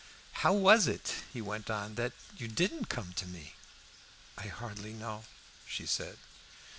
"How was it," he went on, "that you didn't come to me?" "I hardly know," she said.